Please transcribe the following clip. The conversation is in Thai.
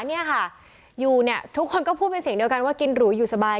เนี่ยค่ะอยู่เนี่ยทุกคนก็พูดเป็นเสียงเดียวกันว่ากินหรูอยู่สบาย